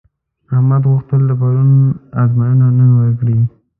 احمد غوښتل د پرون ازموینه نن ورکړي.